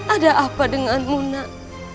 ada apa denganmu nak